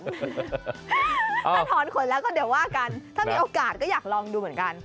ถ้าถอนขนแล้วก็เดี๋ยวว่ากันถ้ามีโอกาสก็อยากลองดูเหมือนกัน